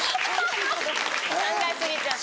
考え過ぎちゃった。